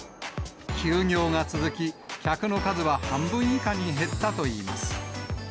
休業が続き、客の数は半分以下に減ったといいます。